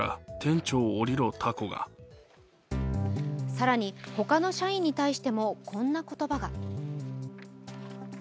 更に、他の社員に対してもこんな言葉が。